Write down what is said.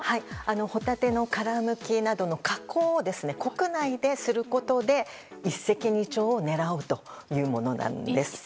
ホタテの殻むきなどの加工を国内ですることで一石二鳥を狙うというものなんです。